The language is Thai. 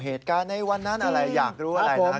เหตุการณ์ในวันนั้นอะไรอยากรู้อะไรนะครับ